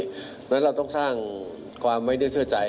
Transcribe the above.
เพราะฉะนั้นเราต้องสร้างความไม่ได้เชื่อใจ